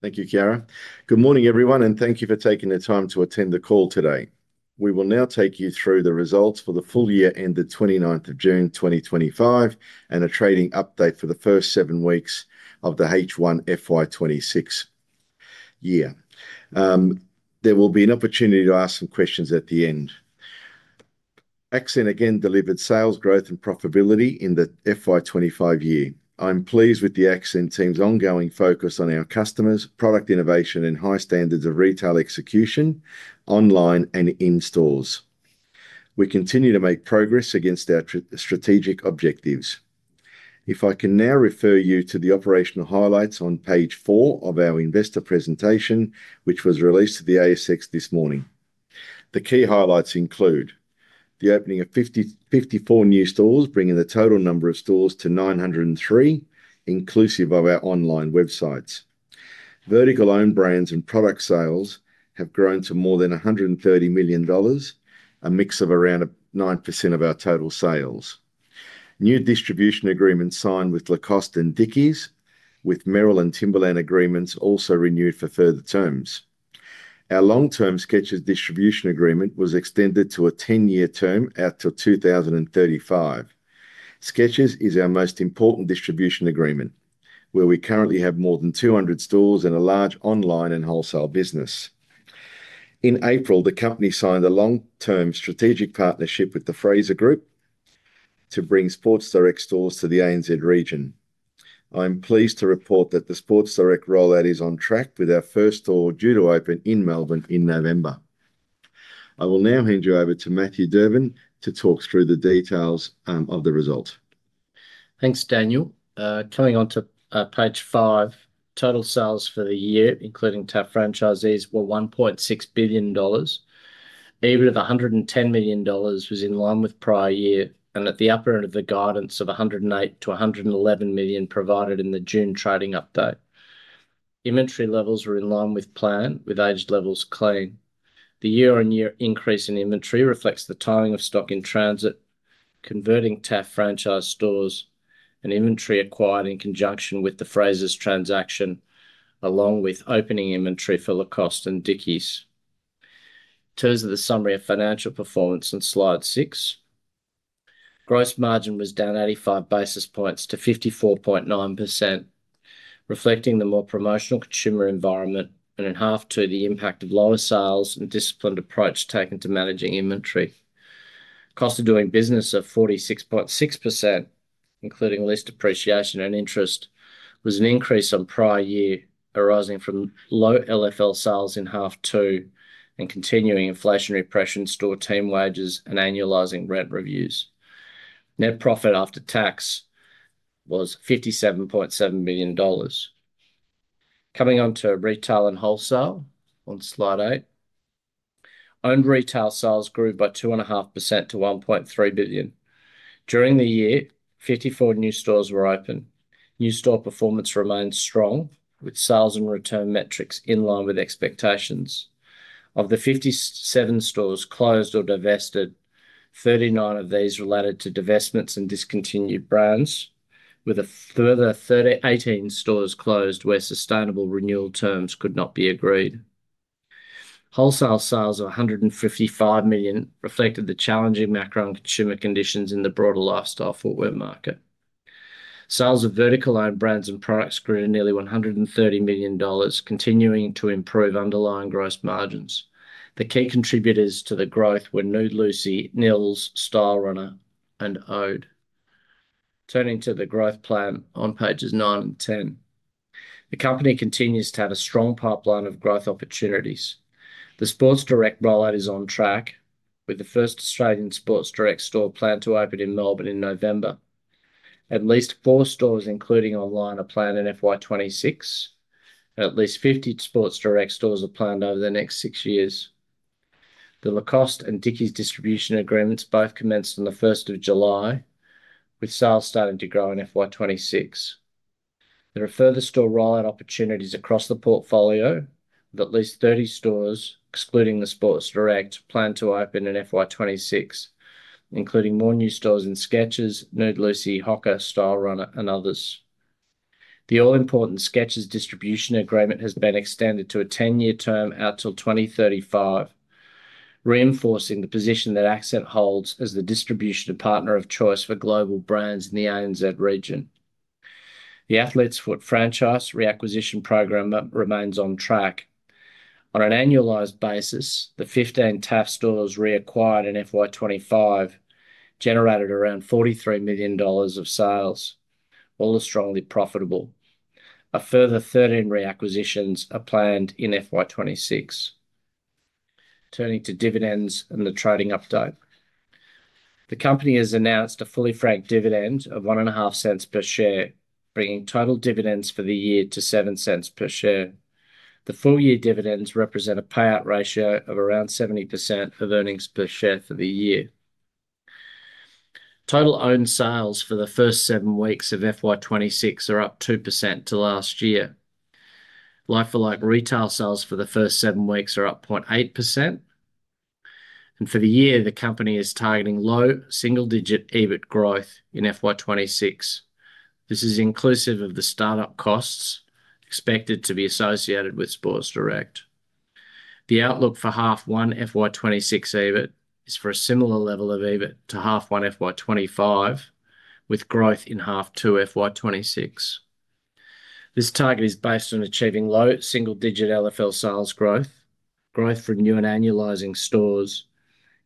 Thank you, Chiara. Good morning, everyone, and thank you for taking the time to attend the call today. We will now take you through the results for the full year ended June 29, 2025, and a trading update for the first seven weeks of the H1 FY 2026 year. There will be an opportunity to ask some questions at the end. Accent, again, delivered sales, growth, and profitability in the FY 2025 year. I'm pleased with the Accent team's ongoing focus on our customers, product innovation, and high standards of retail execution online and in stores. We continue to make progress against our strategic objectives. If I can now refer you to the operational highlights on page four of our investor presentation, which was released to the ASX this morning. The key highlights include the opening of 54 new stores, bringing the total number of stores to 903, inclusive of our online websites. Vertical owned brands and product sales have grown to more than AUS 130 million, a mix of around 9% of our total sales. New distribution agreements signed with Lacoste and Dickies, with Merrell and Timberland agreements also renewed for further terms. Our long-term Skechers distribution agreement was extended to a 10-year term out to 2035. Skechers is our most important distribution agreement, where we currently have more than 200 stores and a large online and wholesale business. In April, the company signed a long-term strategic partnership with Frasers Group to bring Sports Direct stores to the ANZ retail market. I'm pleased to report that the Sports Direct rollout is on track with our first store due to open in Melbourne in November. I will now hand you over to Matthew Durbin to talk through the details of the result. Thanks, Daniel. Turning on to page five, total sales for the year, including to franchisees, were AUS 1.6 billion. EBIT of AUS 110 million was in line with prior year and at the upper end of the guidance of AUS 108 million-AUS 111 million provided in the June trading update. Inventory levels were in line with plan, with aged levels clean. The year-on-year increase in inventory reflects the timing of stock in transit, converting The Athlete’s Foot franchise stores and inventory acquired in conjunction with the Frasers transaction, along with opening inventory for Lacoste and Dickies. In terms of the summary of financial performance on slide six, gross margin was down 85 basis points to 54.9%, reflecting the more promotional consumer environment and in half to the impact of lower sales and disciplined approach taken to managing inventory. Cost of doing business of 46.6%, including list appreciation and interest, was an increase on prior year, arising from low LFL sales in half two and continuing inflationary pressure in store team wages and annualizing rent reviews. Net profit after tax was AUS 57.7 million. Coming on to retail and wholesale on slide eight, owned retail sales grew by 2.5% to AUS 1.3 billion. During the year, 54 new stores were open. New store performance remained strong, with sales and return metrics in line with expectations. Of the 57 stores closed or divested, 39 of these related to divestments and discontinued brands, with a further 18 stores closed where sustainable renewal terms could not be agreed. Wholesale sales of AUS 155 million reflected the challenging macro and consumer conditions in the broader lifestyle footwear market. Sales of vertical owned brands and products grew to nearly AUS 130 million, continuing to improve underlying gross margins. The key contributors to the growth were Nude Lucy, Nils, Stylerunner, and Ode. Turning to the growth plan on pages nine and ten, the company continues to have a strong pipeline of growth opportunities. The Sports Direct rollout is on track, with the first Australian Sports Direct store planned to open in Melbourne in November. At least four stores, including online, are planned in FY 2026. At least 50 Sports Direct stores are planned over the next six years. The Lacoste and Dickies distribution agreements both commenced on the 1st of July, with sales starting to grow in FY 2026. There are further store rollout opportunities across the portfolio, with at least 30 stores, excluding Sports Direct, planned to open in FY 2026, including more new stores in Skechers, Nude Lucy, Hoka, Stylerunner, and others. The all-important Skechers distribution agreement has been extended to a 10-year term out till 2035, reinforcing the position that Accent Group Ltd holds as the distribution partner of choice for global brands in the ANZ retail market. The Athlete’s Foot franchise reacquisition program remains on track. On an annualized basis, the 15 The Athlete’s Foot stores reacquired in FY 2025 generated around AUS 43 million of sales, all strongly profitable. A further 13 reacquisitions are planned in FY 2026. Turning to dividends and the trading update, the company has announced a fully franked dividend of AUS 0.015 per share, bringing total dividends for the year to AUS 0.07 per share. The full year dividends represent a payout ratio of around 70% of earnings per share for the year. Total owned sales for the first seven weeks of FY 2026 are up 2% to last year. Like-for-like retail sales for the first seven weeks are up 0.8%. For the year, the company is targeting low single-digit EBIT growth in FY 2026. This is inclusive of the startup costs expected to be associated with Sports Direct. The outlook for half one FY 2026 EBIT is for a similar level of EBIT to half one FY 2025, with growth in half two FY 2026. This target is based on achieving low single-digit like-for-like sales growth, growth from new and annualizing stores,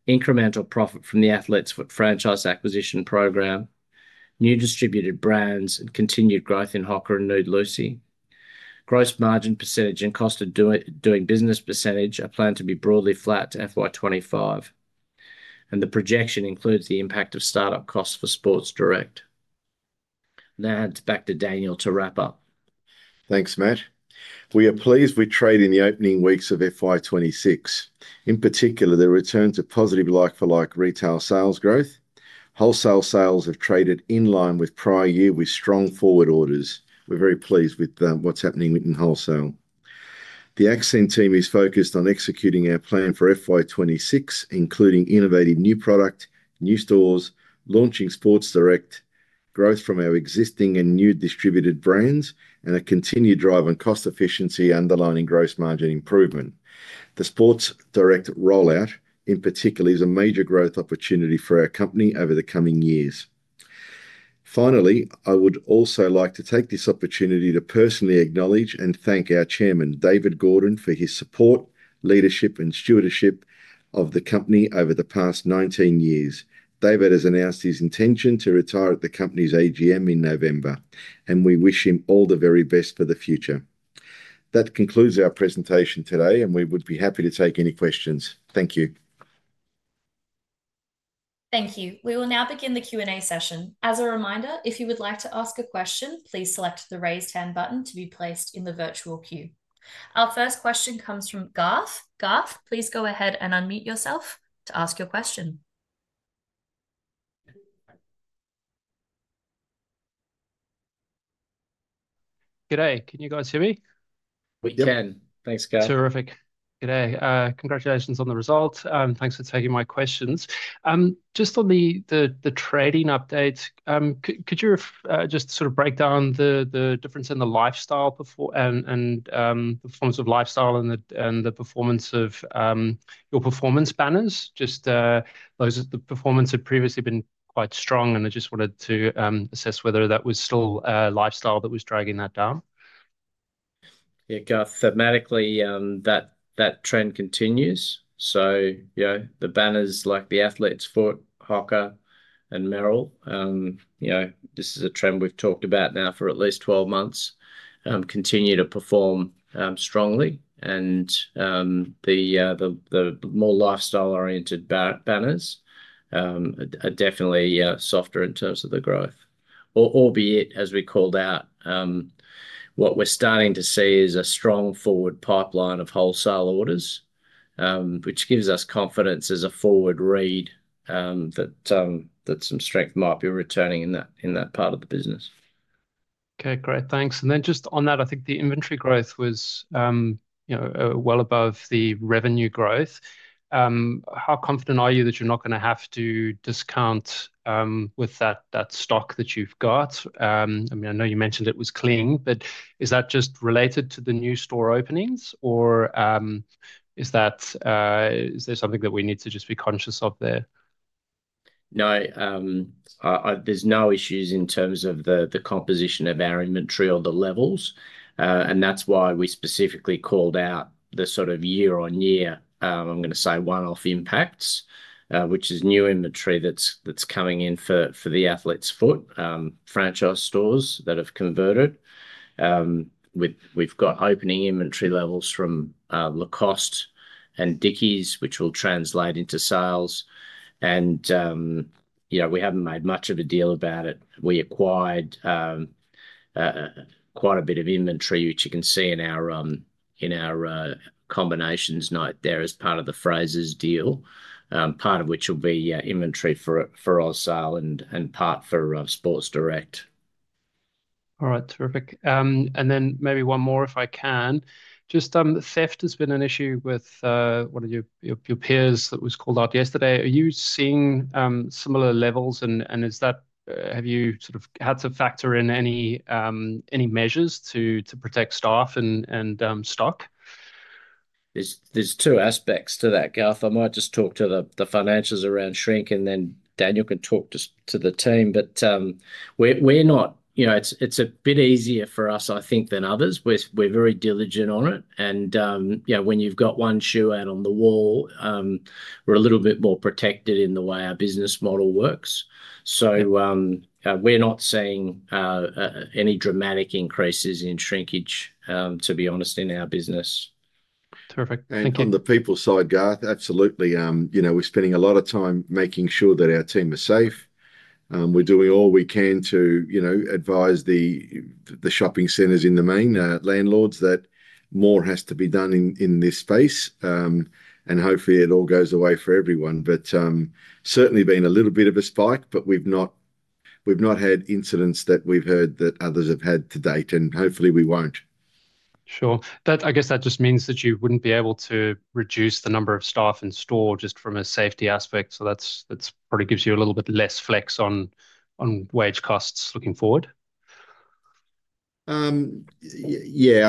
incremental profit from The Athlete’s Foot franchise reacquisition program, new distributed brands, and continued growth in Hoka and Nude Lucy. Gross margin percentage and cost of doing business percentage are planned to be broadly flat to FY 2025. The projection includes the impact of startup costs for Sports Direct. Now back to Daniel to wrap up. Thanks, Matt. We are pleased with trading the opening weeks of FY 2026. In particular, there are returns of positive like-for-like retail sales growth. Wholesale sales have traded in line with prior year, with strong forward wholesale orders. We're very pleased with what's happening in wholesale. The Accent team is focused on executing our plan for FY 2026, including innovative new product, new stores, launching Sports Direct, growth from our existing and new distributed brands, and a continued drive on cost efficiency, underlining gross margin improvement. The Sports Direct rollout, in particular, is a major growth opportunity for our company over the coming years. Finally, I would also like to take this opportunity to personally acknowledge and thank our Chairman, David Gordon, for his support, leadership, and stewardship of the company over the past 19 years. David has announced his intention to retire at the company's AGM in November, and we wish him all the very best for the future. That concludes our presentation today, and we would be happy to take any questions. Thank you. Thank you. We will now begin the Q&A session. As a reminder, if you would like to ask a question, please select the raised hand button to be placed in the virtual queue. Our first question comes from Garth. Garth, please go ahead and unmute yourself to ask your question. Good day. Can you guys hear me? We can. Thanks, Garth. Terrific. Good day. Congratulations on the result. Thanks for taking my questions. Just on the trading updates, could you just sort of break down the difference in the lifestyle and performance of lifestyle and the performance of your performance banners? Just that the performance had previously been quite strong, and I just wanted to assess whether that was still a lifestyle that was dragging that down. Yeah, Garth, thematically, that trend continues. You know the banners like The Athlete’s Foot, Hoka, and Merrell, this is a trend we've talked about now for at least 12 months, continue to perform strongly. The more lifestyle-oriented banners are definitely softer in terms of the growth, albeit, as we called out, what we're starting to see is a strong forward pipeline of wholesale orders, which gives us confidence as a forward read that some strength might be returning in that part of the business. Okay, great. Thanks. Just on that, I think the inventory growth was well above the revenue growth. How confident are you that you're not going to have to discount with that stock that you've got? I know you mentioned it was clean, but is that just related to the new store openings, or is there something that we need to just be conscious of there? No, there's no issues in terms of the composition of our inventory or the levels. That's why we specifically called out the sort of year-on-year, I'm going to say, one-off impacts, which is new inventory that's coming in for The Athlete’s Foot franchise stores that have converted. We've got opening inventory levels from Lacoste and Dickies, which will translate into sales. You know we haven't made much of a deal about it. We acquired quite a bit of inventory, which you can see in our combinations note there as part of the Frasers deal, part of which will be inventory for wholesale and part for Sports Direct. All right, terrific. Maybe one more if I can. Just theft has been an issue with one of your peers that was called out yesterday. Are you seeing similar levels, and have you sort of had to factor in any measures to protect staff and stock? are two aspects to that, Garth. I might just talk to the financials around shrink and then Daniel can talk to the team. It's a bit easier for us, I think, than others. We're very diligent on it. You know, when you've got one shoe out on the wall, we're a little bit more protected in the way our business model works. We're not seeing any dramatic increases in shrinkage, to be honest, in our business. Terrific. Thank you. On the people side, Garth, absolutely. We're spending a lot of time making sure that our team is safe. We're doing all we can to advise the shopping centers, in the main, the landlords, that more has to be done in this space. Hopefully, it all goes away for everyone. Certainly, there's been a little bit of a spike, but we've not had incidents that we've heard that others have had to date. Hopefully, we won't. Sure. I guess that just means that you wouldn't be able to reduce the number of staff in store just from a safety aspect. That probably gives you a little bit less flex on wage costs looking forward. I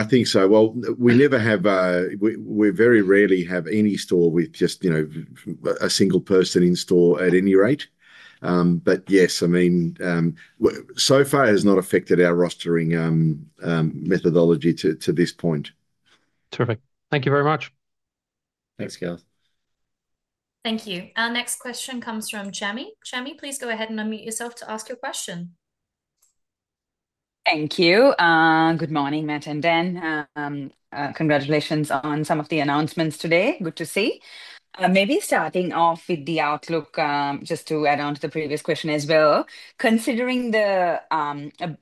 think so. We very rarely have any store with just, you know, a single person in store at any rate. Yes, I mean, so far, it has not affected our rostering methodology to this point. Terrific. Thank you very much. Thanks, Garth. Thank you. Our next question comes from Jamie. Jamie, please go ahead and unmute yourself to ask your question. Thank you. Good morning, Matt and Dan. Congratulations on some of the announcements today. Good to see. Maybe starting off with the outlook, just to add on to the previous question as well, considering the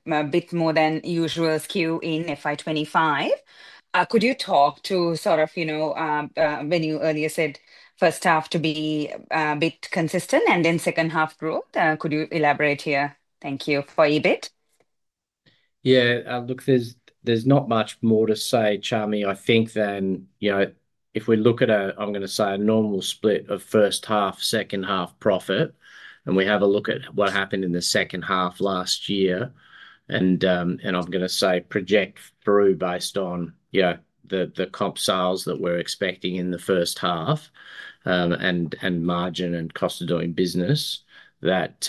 a bit more than usual skew in FY 2025, could you talk to sort of, you know, when you earlier said first half to be a bit consistent and then second half growth, could you elaborate here? Thank you for EBIT. Yeah, look, there's not much more to say, Jamie. I think, if we look at a, I'm going to say, a normal split of first half, second half profit, and we have a look at what happened in the second half last year, and I'm going to say project through based on the comp sales that we're expecting in the first half and margin and cost of doing business, that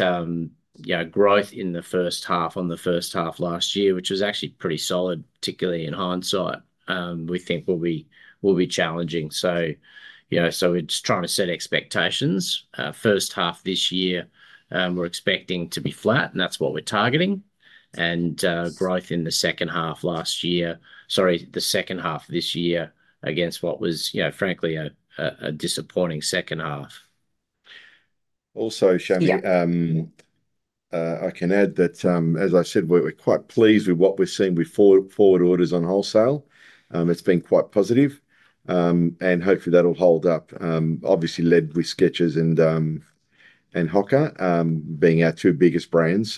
growth in the first half on the first half last year, which was actually pretty solid, particularly in hindsight, we think will be challenging. We're just trying to set expectations. First half this year, we're expecting to be flat, and that's what we're targeting. Growth in the second half last year, sorry, the second half of this year against what was, frankly, a disappointing second half. Also, Jamie, I can add that, as I said, we're quite pleased with what we're seeing with forward orders on wholesale. It's been quite positive. Hopefully, that'll hold up, obviously led with Skechers and Hoka being our two biggest brands.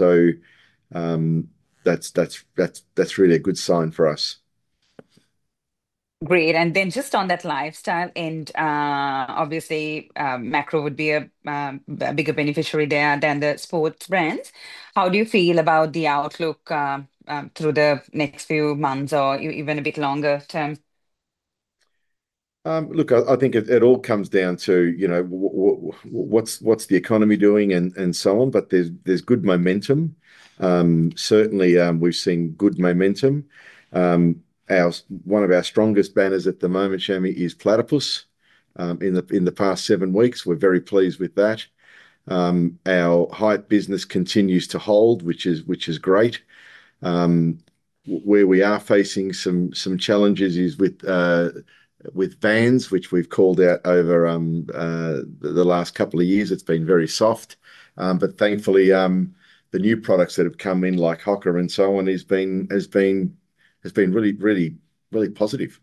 That's really a good sign for us. Great. Just on that lifestyle, obviously, macro would be a bigger beneficiary there than the sports brands. How do you feel about the outlook through the next few months or even a bit longer term? Look, I think it all comes down to, you know, what's the economy doing and so on. There's good momentum. Certainly, we've seen good momentum. One of our strongest banners at the moment, Jamie, is Platypus. In the past seven weeks, we're very pleased with that. Our Hype business continues to hold, which is great. Where we are facing some challenges is with Vans, which we've called out over the last couple of years. It's been very soft. Thankfully, the new products that have come in, like Hoka and so on, have been really, really, really positive.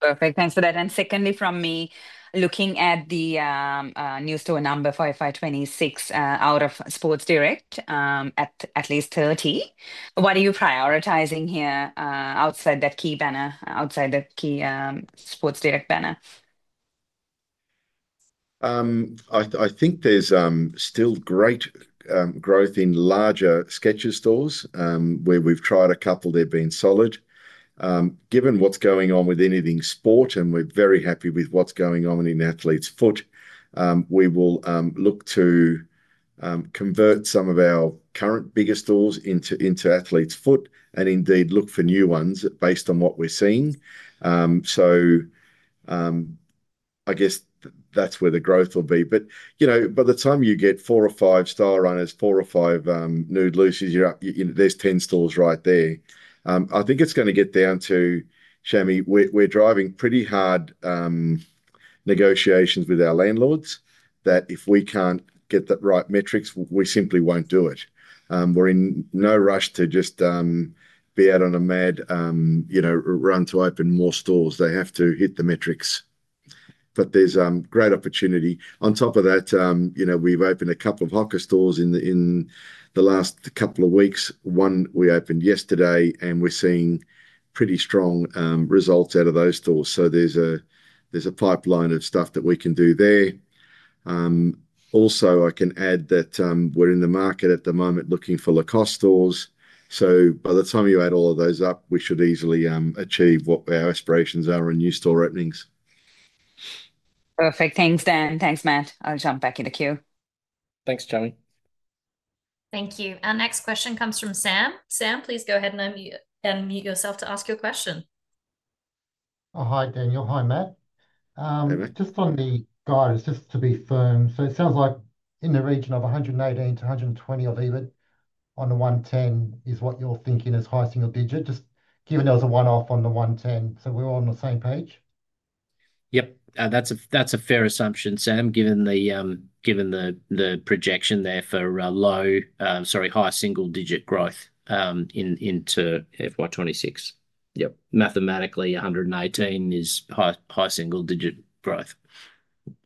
Perfect. Thanks for that. Secondly, from me, looking at the new store number for FY 2026 out of Sports Direct, at least 30. What are you prioritizing here outside that key banner, outside the key Sports Direct banner? I think there's still great growth in larger Skechers stores. Where we've tried a couple, they've been solid. Given what's going on with anything sport, and we're very happy with what's going on in The Athlete’s Foot, we will look to convert some of our current biggest stores into The Athlete’s Foot and indeed look for new ones based on what we're seeing. I guess that's where the growth will be. By the time you get four or five Stylerunners, four or five Nude Lucys, there's 10 stores right there. I think it's going to get down to, Jamie, we're driving pretty hard negotiations with our landlords that if we can't get the right metrics, we simply won't do it. We're in no rush to just be out on a mad run to open more stores. They have to hit the metrics. There's great opportunity. On top of that, we've opened a couple of Hoka stores in the last couple of weeks. One we opened yesterday, and we're seeing pretty strong results out of those stores. There's a pipeline of stuff that we can do there. Also, I can add that we're in the market at the moment looking for Lacoste stores. By the time you add all of those up, we should easily achieve what our aspirations are in new store openings. Perfect. Thanks, Dan. Thanks, Matt. I'll jump back in the queue. Thanks, Jamie. Thank you. Our next question comes from Sam. Sam, please go ahead and unmute yourself to ask your question. Oh, hi, Daniel. Hi, Matt. Just on the guidance, just to be firm. It sounds like in the region of AUS 118 million-AUS 120 million of EBIT on the AUS 110 million is what you're thinking as high single digit, just given there was a one-off on the AUS 110 million. We're all on the same page. Yep. That's a fair assumption, Sam, given the projection there for high single digit growth into FY 2026. Yep. Mathematically, 118 is high single digit growth.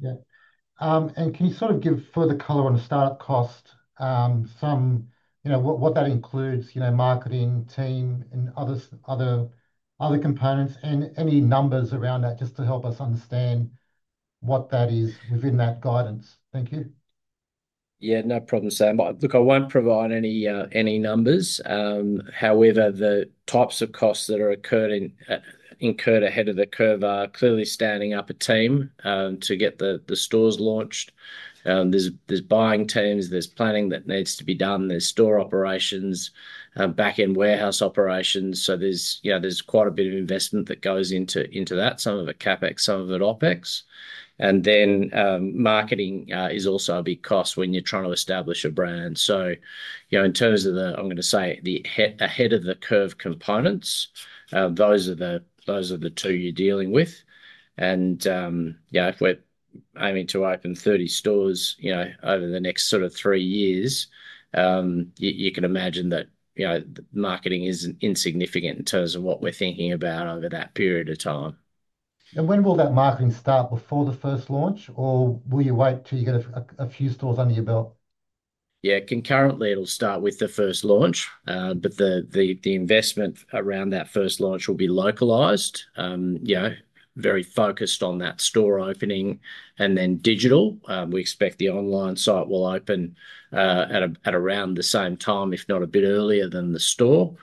Can you sort of give further color on the startup costs, what that includes, marketing, team, and other components, and any numbers around that just to help us understand what that is within that guidance? Thank you. Yeah, no problem, Sam. Look, I won't provide any numbers. However, the types of costs that are incurred ahead of the curve are clearly standing up a team to get the stores launched. There's buying teams, there's planning that needs to be done, there's store operations, backend warehouse operations. There's quite a bit of investment that goes into that. Some of it CapEx, some of it OpEx. Marketing is also a big cost when you're trying to establish a brand. In terms of the, I'm going to say, the ahead of the curve components, those are the two you're dealing with. If we're aiming to open 30 stores over the next sort of three years, you can imagine that marketing is insignificant in terms of what we're thinking about over that period of time. When will that marketing start before the first launch, or will you wait till you get a few stores under your belt? Concurrently, it'll start with the first launch, but the investment around that first launch will be localized, very focused on that store opening and then digital. We expect the online site will open at around the same time, if not a bit earlier than the store.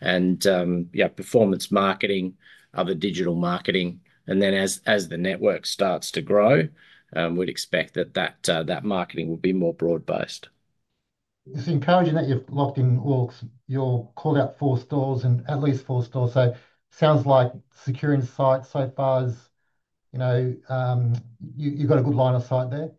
Performance marketing, other digital marketing, and then as the network starts to grow, we'd expect that that marketing will be more broad-based. Just encouraging that you've locked in all your called out four stores and at least four stores. It sounds like securing site so far is, you know, you've got a good line of sight there.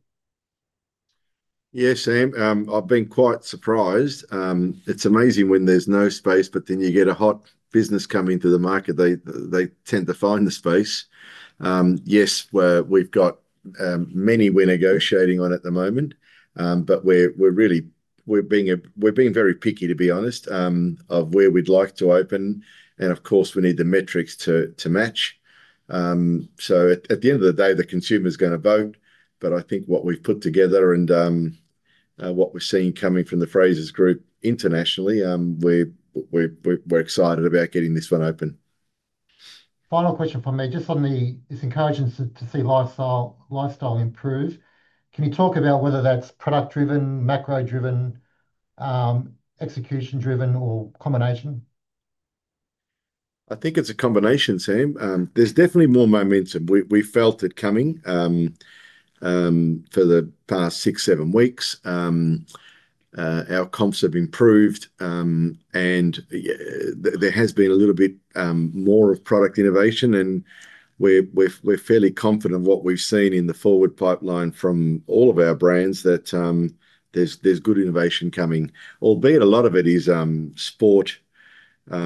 Yeah, Sam, I've been quite surprised. It's amazing when there's no space, but then you get a hot business coming to the market, they tend to find the space. Yes, we've got many we're negotiating on at the moment, but we're really, we're being very picky, to be honest, where we'd like to open. Of course, we need the metrics to match. At the end of the day, the consumer's going to vote. I think what we've put together and what we're seeing coming from the Frasers Group internationally, we're excited about getting this one open. Final question from me, just on the, it's encouraging to see lifestyle improve. Can you talk about whether that's product-driven, macro-driven, execution-driven, or a combination? I think it's a combination, Sam. There's definitely more momentum. We felt it coming for the past six or seven weeks. Our comps have improved, and there has been a little bit more of product innovation. We're fairly confident of what we've seen in the forward pipeline from all of our brands that there's good innovation coming, albeit a lot of it is sport-inspired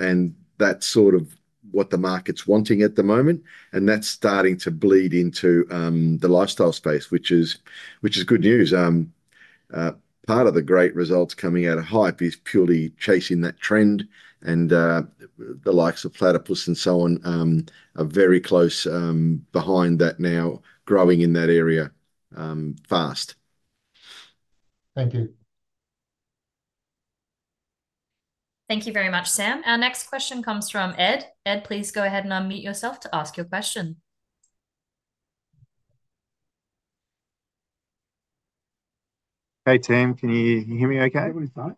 and that's sort of what the market's wanting at the moment. That's starting to bleed into the lifestyle space, which is good news. Part of the great results coming out of Hype is purely chasing that trend, and the likes of Platypus and so on are very close behind that now, growing in that area fast. Thank you. Thank you very much, Sam. Our next question comes from Ed. Ed, please go ahead and unmute yourself to ask your question. Hey, Tim, can you hear me okay? One more time.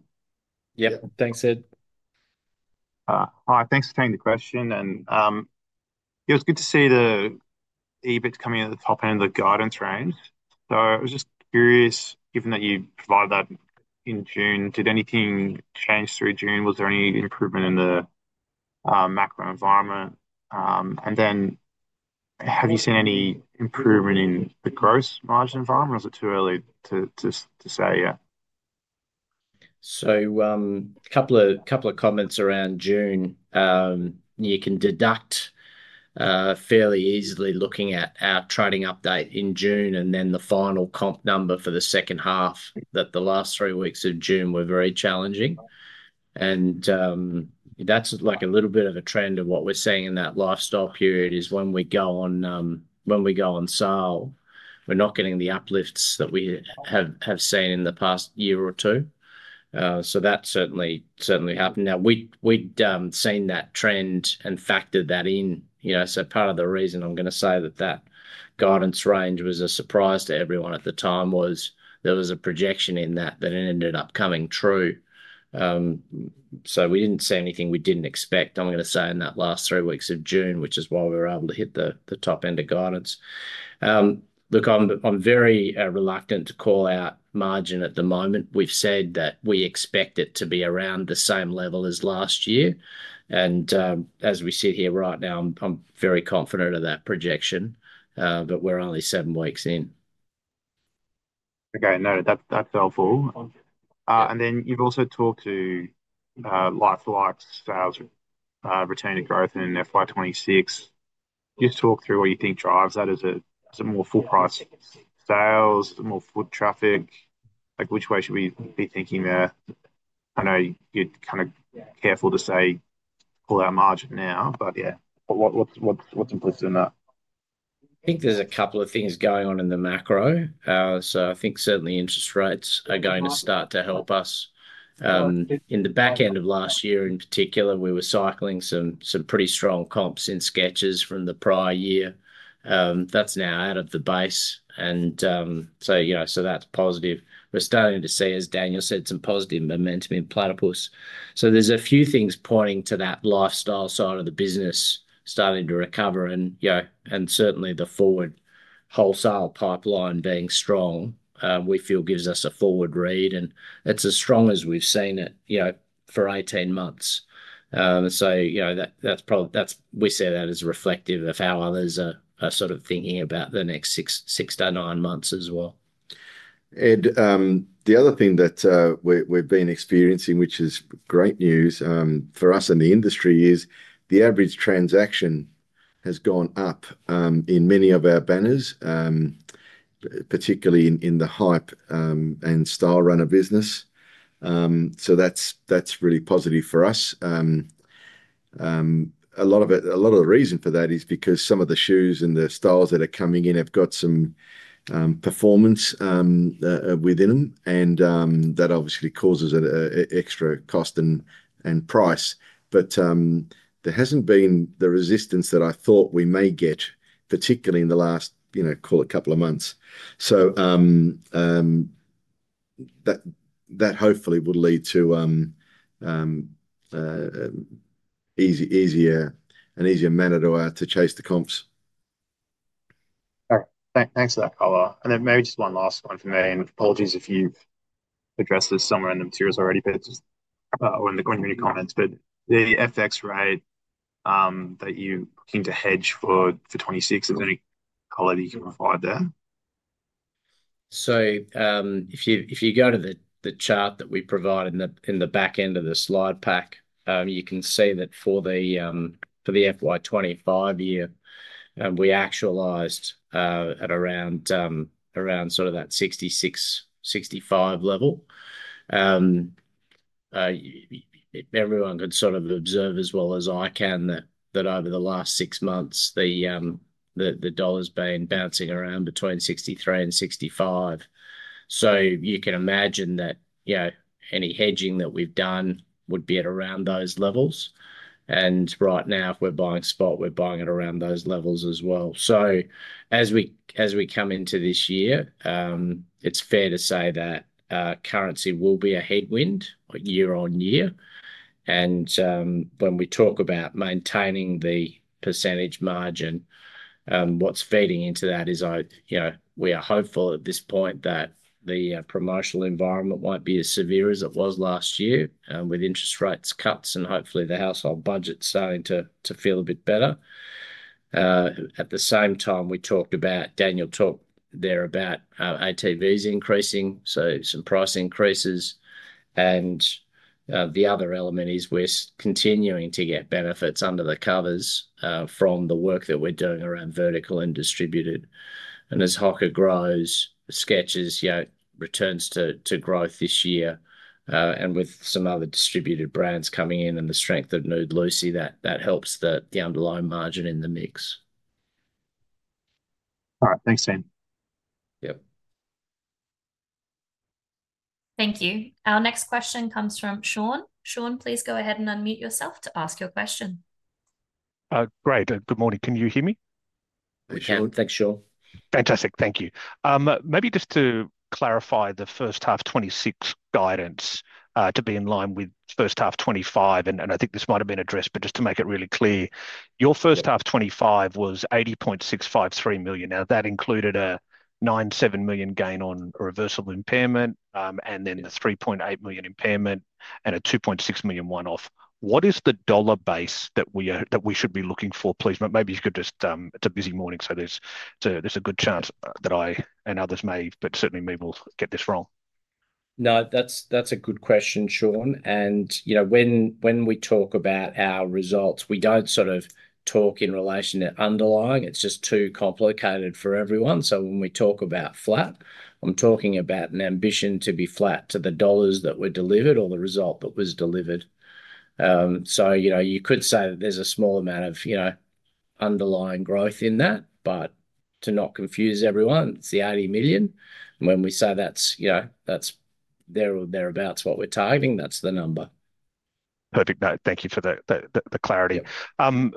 Yep, thanks, Ed. Hi, thanks for taking the question. It was good to see the EBIT coming in at the top end of the guidance range. I was just curious, given that you provided that in June, did anything change through June? Was there any improvement in the macro environment? Have you seen any improvement in the gross margin environment, or is it too early to say yet? A couple of comments around June. You can deduct fairly easily looking at our trading update in June and then the final comp number for the second half that the last three weeks of June were very challenging. That's like a little bit of a trend of what we're seeing in that lifestyle period. When we go on sale, we're not getting the uplifts that we have seen in the past year or two. That certainly happened. We'd seen that trend and factored that in. Part of the reason I'm going to say that that guidance range was a surprise to everyone at the time was there was a projection in that that ended up coming true. We didn't see anything we didn't expect, I'm going to say, in that last three weeks of June, which is why we were able to hit the top end of guidance. Look, I'm very reluctant to call out margin at the moment. We've said that we expect it to be around the same level as last year. As we sit here right now, I'm very confident of that projection, but we're only seven weeks in. Okay, no, that's helpful. You've also talked to like-for-like retail sales retaining growth in FY 2026. Just talk through what you think drives that. Is it more full price sales, more foot traffic? Which way should we be thinking there? I know you're kind of careful to say pull out margin now, but yeah, what's implicit in that? I think there's a couple of things going on in the macro. I think certainly interest rates are going to start to help us. In the back end of last year, in particular, we were cycling some pretty strong comps in Skechers from the prior year. That's now out of the base, so that's positive. We're starting to see, as Daniel said, some positive momentum in Platypus. There's a few things pointing to that lifestyle side of the business starting to recover. Certainly the forward wholesale pipeline being strong, we feel gives us a forward read. It's as strong as we've seen it for 18 months. That's probably, that's reflective of how others are sort of thinking about the next 6-9 months as well. The other thing that we've been experiencing, which is great news for us in the industry, is the average transaction has gone up in many of our banners, particularly in the Hype and Stylerunner business. That's really positive for us. A lot of the reason for that is because some of the shoes and the styles that are coming in have got some performance within them. That obviously causes an extra cost and price, but there hasn't been the resistance that I thought we may get, particularly in the last, you know, call it a couple of months. That hopefully will lead to an easier manner to chase the comps. All right, thanks for the color. Maybe just one last one from me, and apologies if you've addressed this somewhere in the materials already, just on your new comments, the FX rate that you seem to hedge for for 2026, is there any quality you can provide there? If you go to the chart that we provided in the back end of the slide pack, you can see that for the FY 2025 year, we actualized at around that 66, 65 level. Everyone could observe as well as I can that over the last six months, the dollar's been bouncing around between 63-65. You can imagine that any hedging that we've done would be at around those levels. Right now, if we're buying spot, we're buying it around those levels as well. As we come into this year, it's fair to say that currency will be a headwind year on year. When we talk about maintaining the percentage margin, what's feeding into that is we are hopeful at this point that the promotional environment won't be as severe as it was last year with interest rate cuts and hopefully the household budgets starting to feel a bit better. At the same time, we talked about, Daniel talked there about ATVs increasing, so some price increases. The other element is we're continuing to get benefits under the covers from the work that we're doing around vertical and distributed. As Hoka grows, Skechers returns to growth this year, and with some other distributed brands coming in and the strength of Nude Lucy, that helps the underlying margin in the mix. All right, thanks, Matt. Yep. Thank you. Our next question comes from Sean. Sean, please go ahead and unmute yourself to ask your question. Great. Good morning. Can you hear me? Thanks, Sean. Fantastic. Thank you. Maybe just to clarify the first half 2026 guidance to be in line with first half 2025. I think this might have been addressed, but just to make it really clear, your first half 2025 was AUS 80.653 million. That included a AUS 9.7 million gain on a reversible impairment, a AUS 3.8 million impairment, and a AUS 2.6 million one-off. What is the dollar base that we should be looking for, please? Maybe you could just, it's a busy morning, so there's a good chance that I and others may, but certainly me, will get this wrong. That's a good question, Sean. When we talk about our results, we don't sort of talk in relation to underlying. It's just too complicated for everyone. When we talk about flat, I'm talking about an ambition to be flat to the dollars that were delivered or the result that was delivered. You could say that there's a small amount of underlying growth in that, but to not confuse everyone, it's the AUS 80 million. When we say that's there or thereabouts what we're targeting, that's the number. Perfect. No, thank you for the clarity.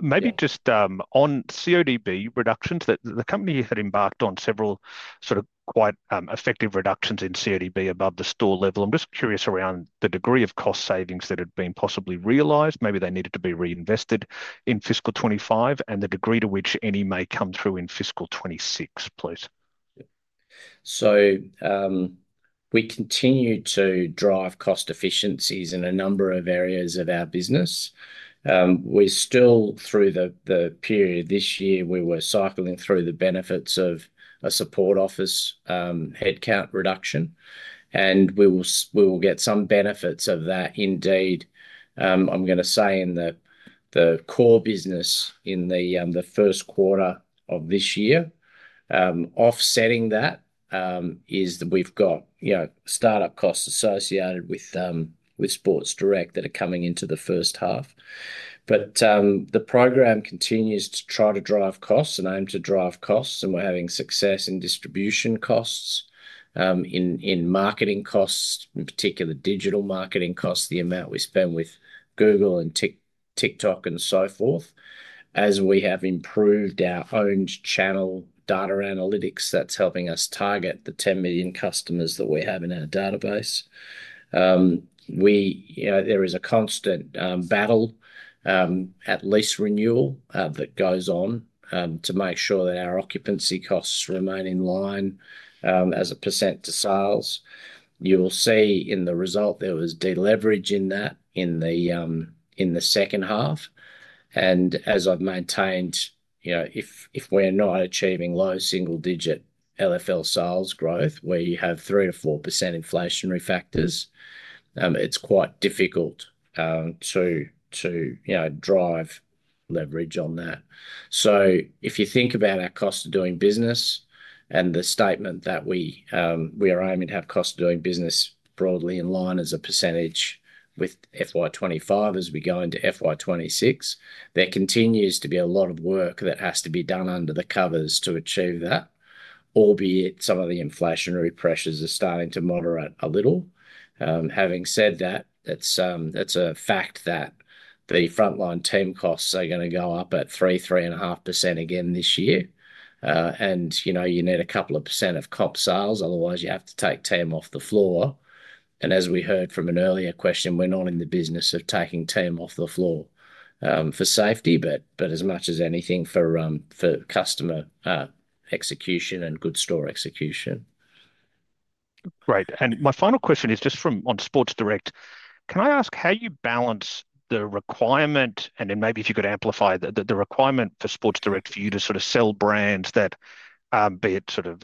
Maybe just on cost of doing business reductions, the company had embarked on several sort of quite effective reductions in cost of doing business above the store level. I'm just curious around the degree of cost savings that had been possibly realized. Maybe they needed to be reinvested in fiscal 2025 and the degree to which any may come through in fiscal 2026, please. We continue to drive cost efficiencies in a number of areas of our business. Through the period this year, we were cycling through the benefits of a support office headcount reduction, and we will get some benefits of that indeed. In the core business in the first quarter of this year, offsetting that is that we've got startup costs associated with Sports Direct that are coming into the first half. The program continues to try to drive costs and aim to drive costs, and we're having success in distribution costs, in marketing costs, in particular digital marketing costs, the amount we spend with Google and TikTok and so forth. As we have improved our own channel data analytics, that's helping us target the 10 million customers that we have in our database. There is a constant battle at lease renewal that goes on to make sure that our occupancy costs remain in line as a percent to sales. You will see in the result there was deleverage in that in the second half. As I've maintained, if we're not achieving low single-digit like-for-like retail sales growth where you have 3%-4% inflationary factors, it's quite difficult to drive leverage on that. If you think about our cost of doing business and the statement that we are aiming to have cost of doing business broadly in line as a percentage with FY 2025, as we go into FY 2026, there continues to be a lot of work that has to be done under the covers to achieve that, albeit some of the inflationary pressures are starting to moderate a little. Having said that, it's a fact that the frontline team costs are going to go up at 3%-3.5% again this year. You need a couple of percent of comp sales, otherwise you have to take team off the floor. As we heard from an earlier question, we're not in the business of taking team off the floor for safety, but as much as anything for customer execution and good store execution. Great. My final question is just on Sports Direct. Can I ask how you balance the requirement, and then maybe if you could amplify the requirement for Sports Direct for you to sort of sell brands that, be it sort of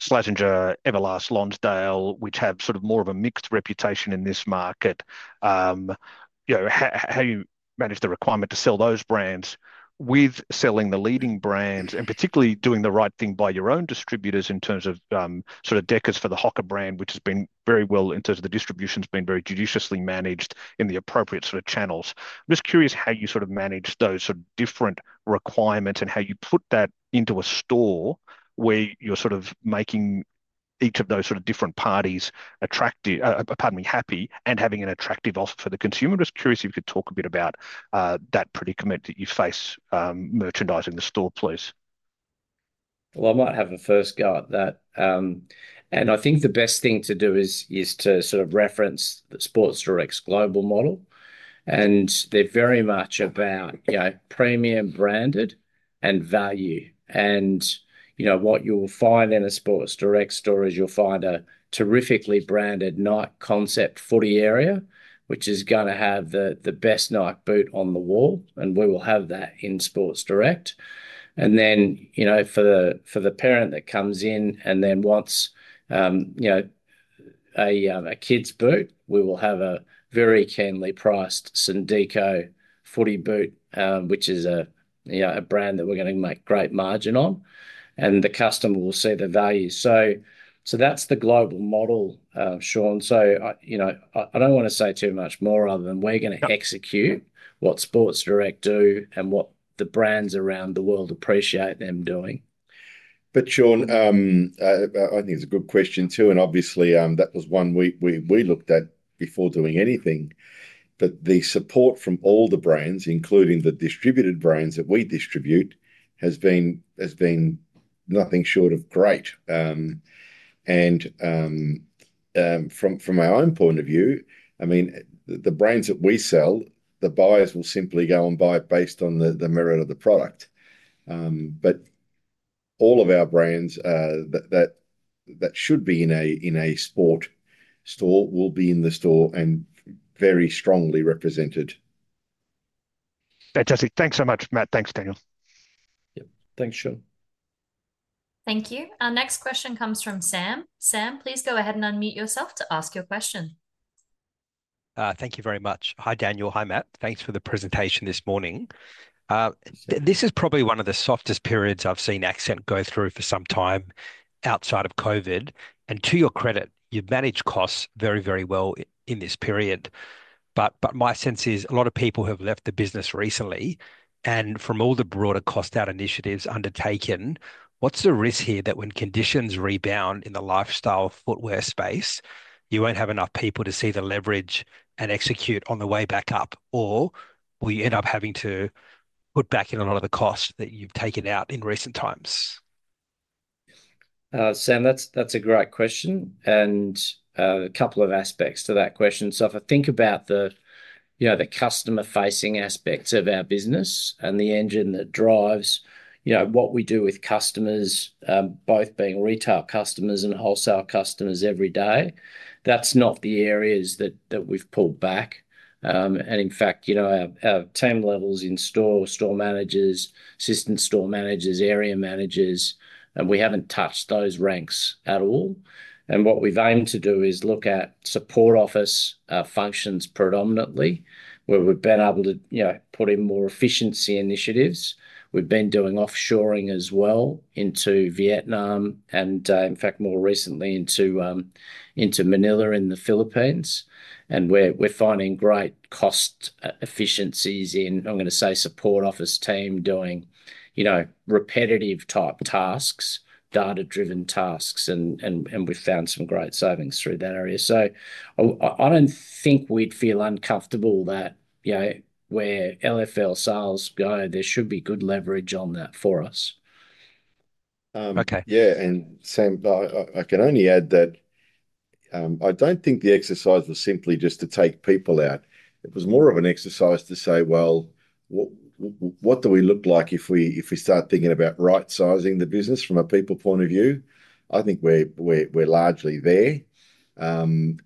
Slazenger, Everlast, Lonsdale, which have sort of more of a mixed reputation in this market? How do you manage the requirement to sell those brands with selling the leading brands and particularly doing the right thing by your own distributors in terms of sort of Deckers for the Hoka brand, which has been very well, in terms of the distribution's been very judiciously managed in the appropriate sort of channels? I'm just curious how you sort of manage those different requirements and how you put that into a store where you're making each of those different parties happy and having an attractive offer for the consumer. I'm just curious if you could talk a bit about that predicament that you face merchandising the store, please. I might have the first go at that. I think the best thing to do is to sort of reference the Sports Direct global model. They're very much about premium branded and value. What you will find in a Sports Direct store is you'll find a terrifically branded Nike concept footy area, which is going to have the best Nike boot on the wall. We will have that in Sports Direct. For the parent that comes in and then wants a kid's boot, we will have a very keenly priced Sondico footy boot, which is a brand that we're going to make great margin on, and the customer will see the value. That's the global model, Sean. I don't want to say too much more other than we're going to execute what Sports Direct do and what the brands around the world appreciate them doing. I think it's a good question too. Obviously, that was one we looked at before doing anything. The support from all the brands, including the distributed brands that we distribute, has been nothing short of great. From our own point of view, the brands that we sell, the buyers will simply go and buy it based on the merit of the product. All of our brands that should be in a sport store will be in the store and very strongly represented. Fantastic. Thanks so much, Matt. Thanks, Daniel. Yep, thanks, Sean. Thank you. Our next question comes from Sam. Sam, please go ahead and unmute yourself to ask your question. Thank you very much. Hi, Daniel. Hi, Matt. Thanks for the presentation this morning. This is probably one of the softest periods I've seen Accent go through for some time outside of COVID. To your credit, you've managed costs very, very well in this period. My sense is a lot of people have left the business recently. From all the broader cost-out initiatives undertaken, what's the risk here that when conditions rebound in the lifestyle footwear space, you won't have enough people to see the leverage and execute on the way back up? Will you end up having to put back in a lot of the costs that you've taken out in recent times? Sam, that's a great question. There are a couple of aspects to that question. If I think about the customer-facing aspects of our business and the engine that drives what we do with customers, both being retail customers and wholesale customers every day, that's not the areas that we've pulled back. In fact, our team levels in store, store managers, assistant store managers, area managers, we haven't touched those ranks at all. What we've aimed to do is look at support office functions predominantly, where we've been able to put in more efficiency initiatives. We've been doing offshoring as well into Vietnam and, in fact, more recently into Manila in the Philippines. We're finding great cost efficiencies in, I'm going to say, support office team doing repetitive type tasks, data-driven tasks, and we've found some great savings through that area. I don't think we'd feel uncomfortable that where like-for-like retail sales go, there should be good leverage on that for us. Okay. Yeah. Sam, I can only add that I don't think the exercise was simply just to take people out. It was more of an exercise to say, what do we look like if we start thinking about right-sizing the business from a people point of view? I think we're largely there, and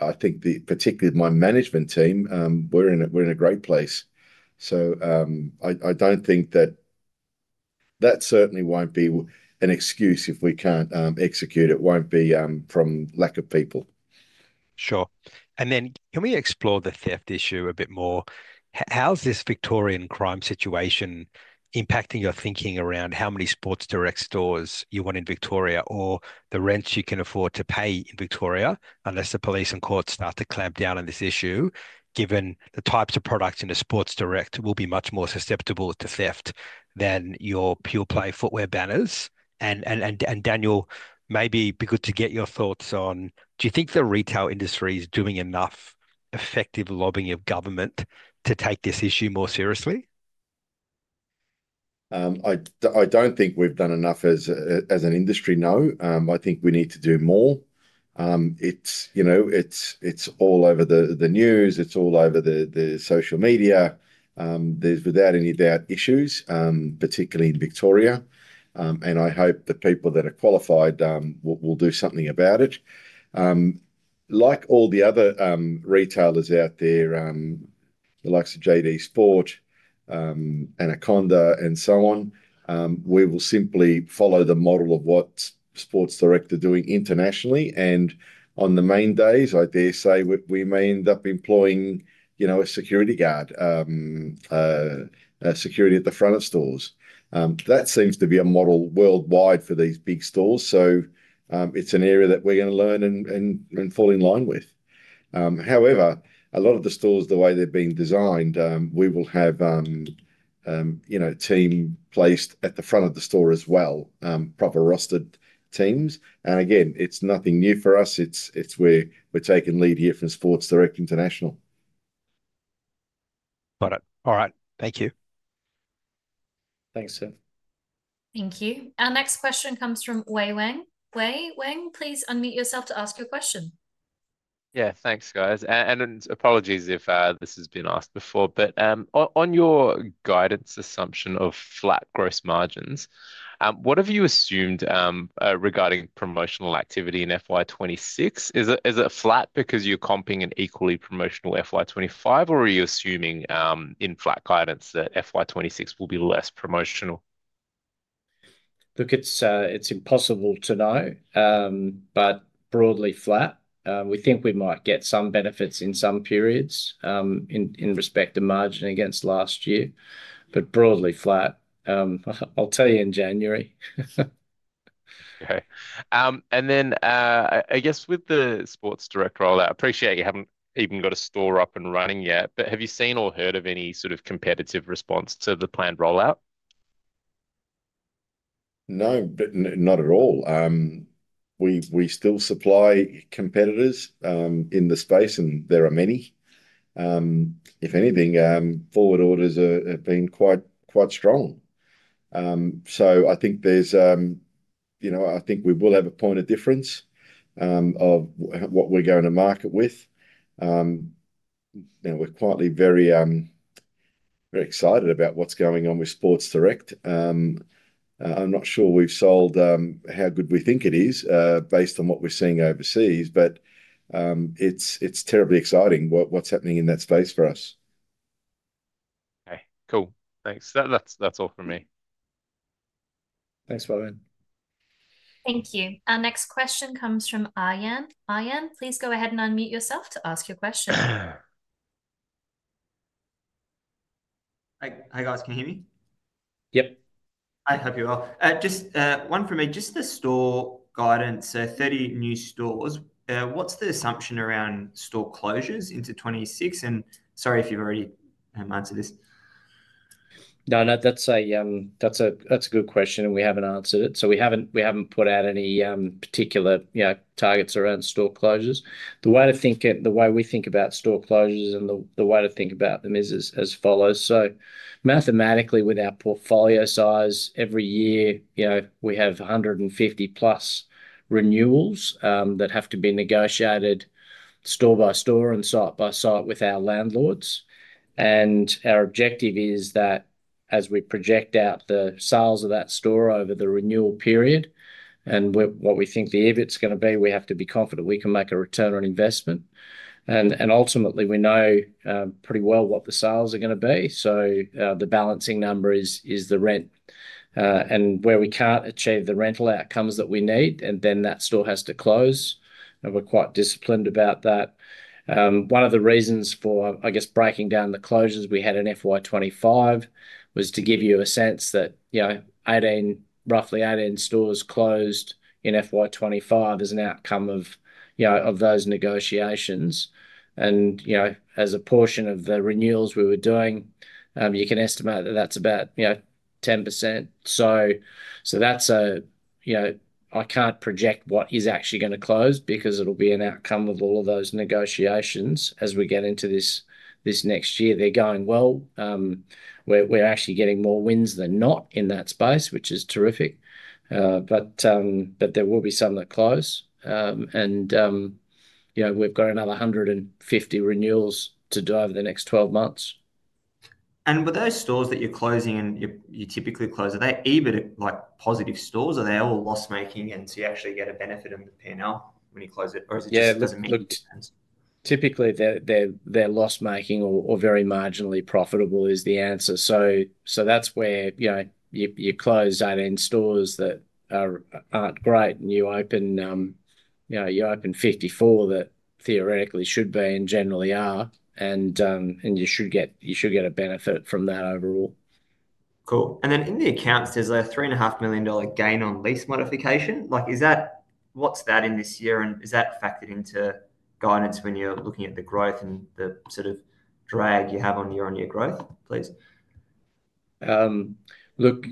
I think particularly my management team, we're in a great place. I don't think that that certainly won't be an excuse if we can't execute. It won't be from lack of people. Sure. Can we explore the theft issue a bit more? How's this Victorian crime situation impacting your thinking around how many Sports Direct stores you want in Victoria or the rents you can afford to pay in Victoria unless the police and courts start to clamp down on this issue, given the types of products in a Sports Direct will be much more susceptible to theft than your pure play footwear banners? Daniel, maybe it'd be good to get your thoughts on, do you think the retail industry is doing enough effective lobbying of government to take this issue more seriously? I don't think we've done enough as an industry, no. I think we need to do more. It's all over the news. It's all over the social media. There's, without any doubt, issues, particularly in Victoria. I hope the people that are qualified will do something about it. Like all the other retailers out there, the likes of JD Sports, Anaconda, and so on, we will simply follow the model of what Sports Direct are doing internationally. On the main days, I dare say we may end up employing a security guard, a security at the front of stores. That seems to be a model worldwide for these big stores. It's an area that we're going to learn and fall in line with. However, a lot of the stores, the way they've been designed, we will have team placed at the front of the store as well, proper rostered teams. Again, it's nothing new for us. It's where we're taking lead here from Sports Direct International. Got it. All right. Thank you. Thanks, Tim. Thank you. Our next question comes from Wei Wang. Wei Wang, please unmute yourself to ask your question. Thanks, guys. Apologies if this has been asked before. On your guidance assumption of flat gross margins, what have you assumed regarding promotional activity in FY 2026? Is it flat because you're comping an equally promotional FY 2025, or are you assuming in flat guidance that FY 2026 will be less promotional? Look, it's impossible to know, but broadly flat. We think we might get some benefits in some periods in respect to margin against last year, but broadly flat. I'll tell you in January. Okay. With the Sports Direct rollout, I appreciate you haven't even got a store up and running yet, but have you seen or heard of any sort of competitive response to the planned rollout? No, not at all. We still supply competitors in the space, and there are many. If anything, forward orders are being quite strong. I think we will have a point of difference of what we're going to market with. We're currently very excited about what's going on with Sports Direct. I'm not sure we've sold how good we think it is based on what we're seeing overseas, but it's terribly exciting what's happening in that space for us. Okay, cool. Thanks. That's all from me. Thanks, Wei Wang. Thank you. Our next question comes from Ayan. Ayan, please go ahead and unmute yourself to ask your question. Hey, guys. Can you hear me? Yep. I hope you're well. Just one for me. Just the store guidance, 30 new stores. What's the assumption around store closures into 2026? Sorry if you've already answered this. No, that's a good question, and we haven't answered it. We haven't put out any particular targets around store closures. The way we think about store closures and the way to think about them is as follows. Mathematically, with our portfolio size every year, we have 150+ renewals that have to be negotiated store by store and site by site with our landlords. Our objective is that as we project out the sales of that store over the renewal period and what we think the EBIT's going to be, we have to be confident we can make a return on investment. Ultimately, we know pretty well what the sales are going to be. The balancing number is the rent, and where we can't achieve the rental outcomes that we need, that store has to close. We're quite disciplined about that. One of the reasons for breaking down the closures we had in FY 2025 was to give you a sense that roughly 18 stores closed in FY 2025 as an outcome of those negotiations. As a portion of the renewals we were doing, you can estimate that that's about 10%. I can't project what is actually going to close because it'll be an outcome of all of those negotiations as we get into this next year. They're going well, we're actually getting more wins than not in that space, which is terrific. There will be some that close. We've got another 150 renewals to do over the next 12 months. With those stores that you're closing and you typically close, are they EBIT positive stores? Are they all loss-making and so you actually get a benefit in the P&L when you close it? Yeah, look, typically they're loss-making or very marginally profitable is the answer. That's where you close out in stores that aren't great and you open, you know, you open 54 that theoretically should be and generally are. You should get a benefit from that overall. In the accounts, there's a AUS 3.5 million gain on lease modification. Is that, what's that in this year? Is that factored into guidance when you're looking at the growth and the sort of drag you have on year-on-year growth, please? Look,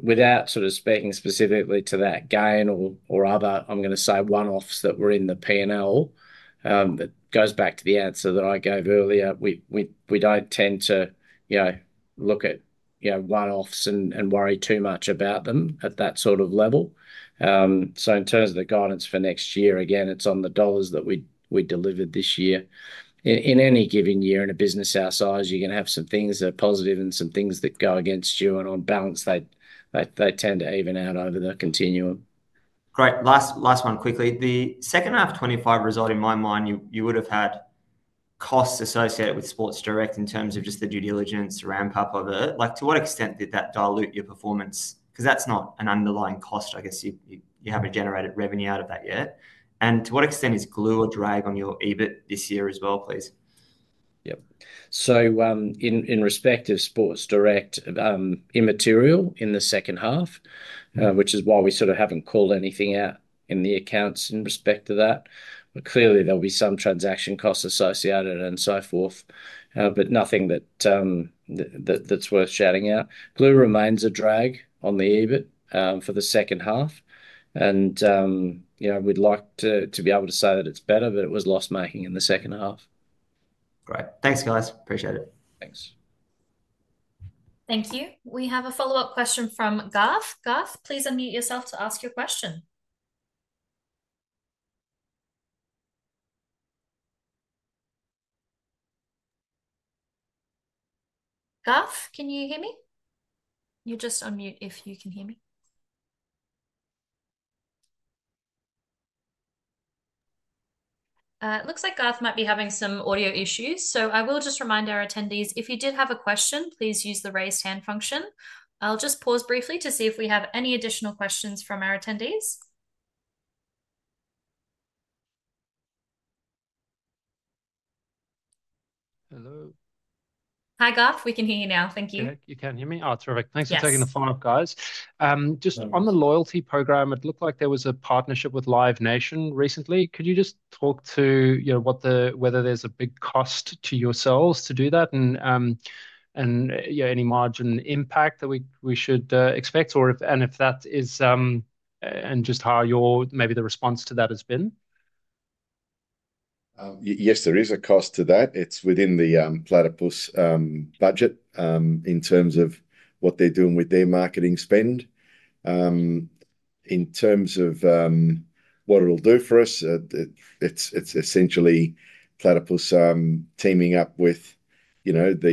without speaking specifically to that gain or other, I'm going to say one-offs that were in the P&L. That goes back to the answer that I gave earlier. We don't tend to look at one-offs and worry too much about them at that level. In terms of the guidance for next year, again, it's on the dollars that we delivered this year. In any given year in a business our size, you're going to have some things that are positive and some things that go against you. On balance, they tend to even out over the continuum. Great. Last one quickly. The second half 2025 result, in my mind, you would have had costs associated with Sports Direct in terms of just the due diligence ramp-up of it. To what extent did that dilute your performance? That's not an underlying cost. I guess you haven't generated revenue out of that yet. To what extent is Glue a drag on your EBIT this year as well, please? Yep. In respect of Sports Direct, immaterial in the second half, which is why we sort of haven't called anything out in the accounts in respect to that. Clearly, there'll be some transaction costs associated and so forth, but nothing that's worth shouting out. Glue remains a drag on the EBIT for the second half. You know, we'd like to be able to say that it's better, but it was loss-making in the second half. Great. Thanks, guys. Appreciate it. Thanks. Thank you. We have a follow-up question from Garth. Garth, please unmute yourself to ask your question. Garth, can you hear me? You just unmute if you can hear me. It looks like Garth might be having some audio issues. I will just remind our attendees, if you did have a question, please use the raised hand function. I'll just pause briefly to see if we have any additional questions from our attendees. Hello. Hi, Garth. We can hear you now. Thank you. You can hear me? Oh, terrific. Thanks for taking the call, guys. Just on the loyalty program, it looked like there was a partnership with Live Nation recently. Could you just talk to whether there's a big cost to yourselves to do that and any margin impact that we should expect? If that is, just how your, maybe, the response to that has been? Yes, there is a cost to that. It's within the Platypus budget in terms of what they're doing with their marketing spend. In terms of what it'll do for us, it's essentially Platypus teaming up with the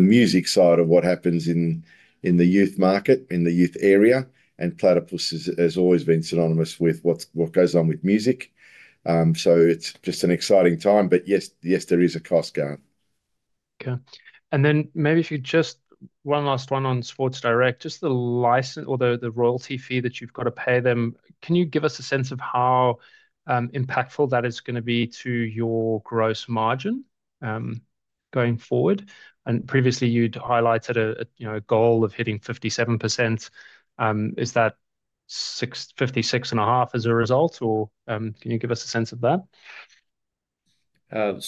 music side of what happens in the youth market, in the youth area. Platypus has always been synonymous with what goes on with music. It's just an exciting time. Yes, there is a cost going. Okay. Maybe if you could just, one last one on Sports Direct, just the license, although the royalty fee that you've got to pay them, can you give us a sense of how impactful that is going to be to your gross margin going forward? Previously, you'd highlighted a goal of hitting 57%. Is that 56.5% as a result, or can you give us a sense of that? That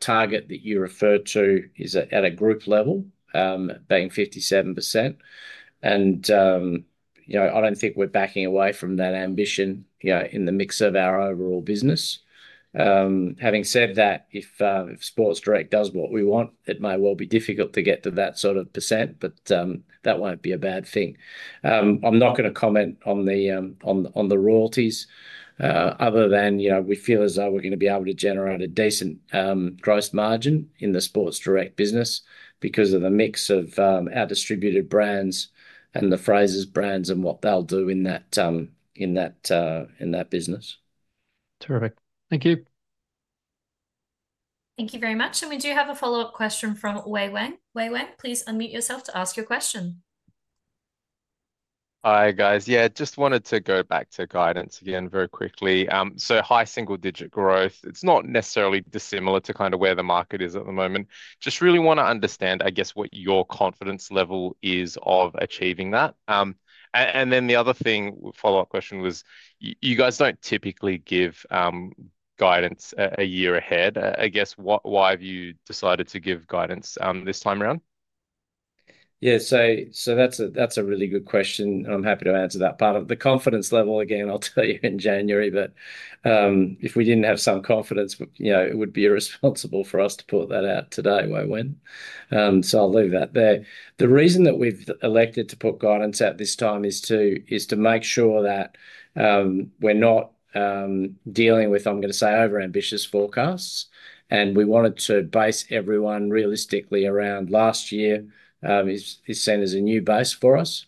target that you referred to is at a group level being 57%. I don't think we're backing away from that ambition in the mix of our overall business. Having said that, if Sports Direct does what we want, it may well be difficult to get to that sort of percent, but that won't be a bad thing. I'm not going to comment on the royalties other than we feel as though we're going to be able to generate a decent gross margin in the Sports Direct business because of the mix of our distributed brands and the Frasers brands and what they'll do in that business. Terrific. Thank you. Thank you very much. We do have a follow-up question from Wei Wang. Wei Wang, please unmute yourself to ask your question. Hi, guys. I just wanted to go back to guidance again very quickly. High single-digit growth, it's not necessarily dissimilar to kind of where the market is at the moment. I just really want to understand, I guess, what your confidence level is of achieving that. The other thing, follow-up question was, you guys don't typically give guidance a year ahead. I guess, why have you decided to give guidance this time around? Yeah, that's a really good question. I'm happy to answer that part of the confidence level. I'll tell you in January that if we didn't have some confidence, it would be irresponsible for us to put that out today, Wei Wang. I'll leave that there. The reason that we've elected to put guidance out this time is to make sure that we're not dealing with, I'm going to say, overambitious forecasts. We wanted to base everyone realistically around last year is seen as a new base for us.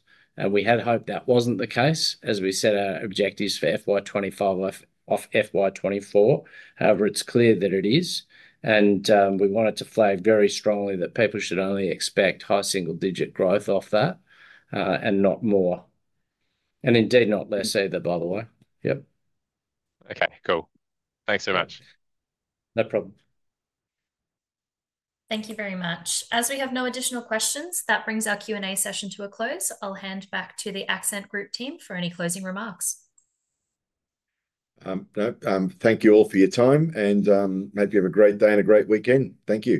We had hoped that wasn't the case as we set our objectives for FY 2025 off FY 2024. However, it's clear that it is. We wanted to flag very strongly that people should only expect high single-digit growth off that and not more. Indeed, not less so than the other way. Yep. Okay, cool. Thanks so much. No problem. Thank you very much. As we have no additional questions, that brings our Q&A session to a close. I'll hand back to the Accent Group team for any closing remarks. Thank you all for your time. I hope you have a great day and a great weekend. Thank you.